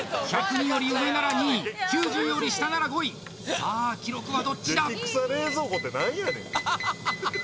１０２より上なら２位９０より下なら５位さあ記録はどっちだ？